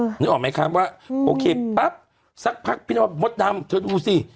นึกออกไหมครับว่าโอเคปั๊บสักพักพี่น้องมดดำเธอดูสิ